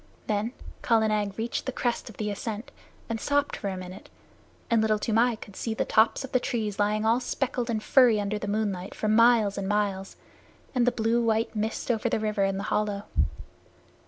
Then Kala Nag reached the crest of the ascent and stopped for a minute, and Little Toomai could see the tops of the trees lying all speckled and furry under the moonlight for miles and miles, and the blue white mist over the river in the hollow.